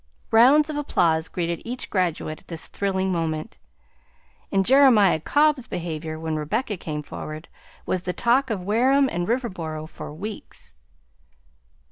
Rounds of applause greeted each graduate at this thrilling moment, and Jeremiah Cobb's behavior, when Rebecca came forward, was the talk of Wareham and Riverboro for days.